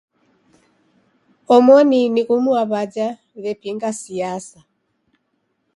Omoni ni umu wa w'aja w'epinga siasa.